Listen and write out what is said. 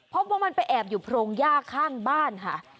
พบว่ามันไปแอบอยู่โพรงย่าข้างบ้านค่ะ